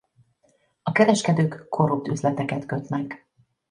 A kereskedők korrupt üzleteket kötnek.